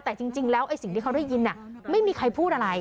แต่จริงแล้วไอ้สิ่งที่เขาได้ยินไม่มีใครพูดอะไร